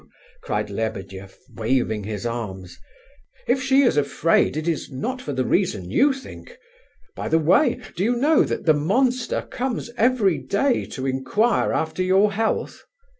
cried Lebedeff, waving his arms; "if she is afraid, it is not for the reason you think. By the way, do you know that the monster comes every day to inquire after your health?"